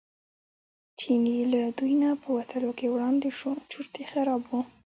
چینی له دوی نه په وتلو کې وړاندې شو چورت یې خراب و.